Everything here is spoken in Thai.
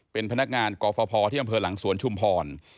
เป็นพนักงานกฟภที่อำเภอหลังสวนชุมพร